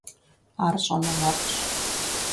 Ар щӏэныгъэлӏщ.